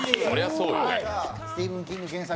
スティーヴン・キング原作